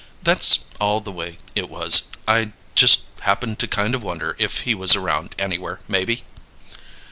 That's all the way it was; I just happened to kind of wonder if he was around anywhere maybe."